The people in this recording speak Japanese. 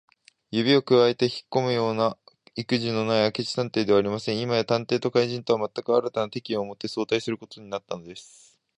指をくわえてひっこむようないくじのない明智探偵ではありません。今や探偵と怪人とは、まったく新たな敵意をもって相対することになったのです。